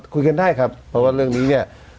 คุยกันได้ครับเพราะว่าเรื่องนี้เนี่ย